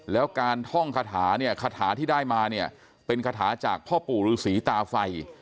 แล้วการท่องคาถาเนี่ยคาถาที่ได้มาเนี่ยเป็นคาถาจากพ่อปู่ฤษีตาไฟ